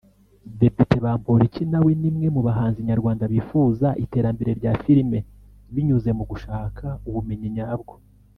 Depite Bamporiki nawe ni mwe mu bahanzi nyarwanda bifuza iterambere rya Filime binyuze mu gushaka ubumenyi nyabwo